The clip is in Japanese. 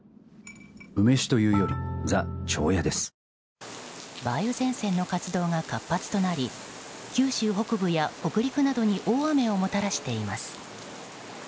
サントリー梅雨前線の活動が活発となり九州北部や北陸などに大雨をもたらしています。